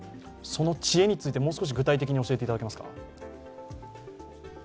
その知恵について、もう少し具体的に教えていただけますか。